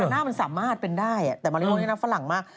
หน้ามันสามารถเป็นได้แต่มาริโอนี่นะฝรั่งมาก